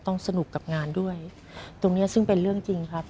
สนุกกับงานด้วยตรงเนี้ยซึ่งเป็นเรื่องจริงครับ